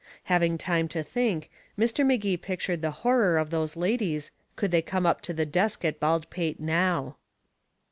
Having time to think, Mr. Magee pictured the horror of those ladies could they come up to the desk at Baldpate now.